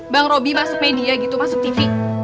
bang robby masuk media gitu masuk tv